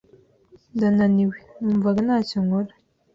Ndananiwe, numvaga ntacyo nkora.